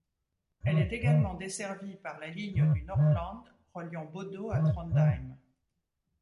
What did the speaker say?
Elle est également desservie par la ligne du Nordland, reliant Bodø à Trondheim.